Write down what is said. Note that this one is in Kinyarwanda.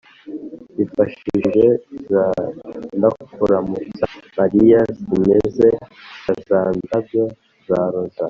bifashishije za “ndakuramutsa mariya” zimeze nka za ndabyo za roza